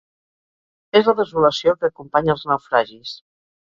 És la desolació que acompanya els naufragis.